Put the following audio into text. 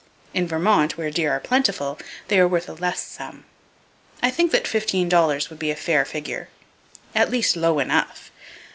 In Vermont, where deer are plentiful, they are worth a less sum. I think that fifteen dollars would be a fair figure,—at least low enough!